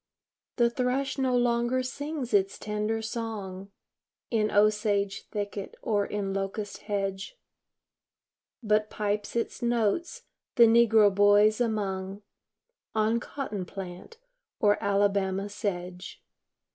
The thrush no longer sings its tender song In osage thicket, or in locust hedge, But pipes its notes the negro boys among, On cotton plant, or Alabama sedge.